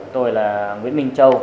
tôi là nguyễn minh châu